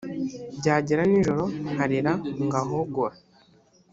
byagera nijoro nkarira ngahogora